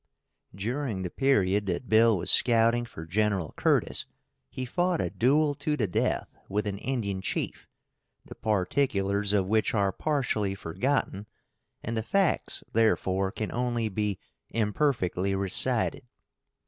During the period that Bill was scouting for Gen. Curtis, he fought a duel to the death with an Indian chief, the particulars of which are partially forgotten, and the facts, therefore, can only be imperfectly recited.